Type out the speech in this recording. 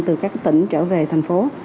từ các tỉnh trở về thành phố